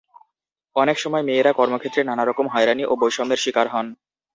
অনেক সময় মেয়েরা কর্মক্ষেত্রে নানা রকম হয়রানি ও বৈষম্যের শিকার হন।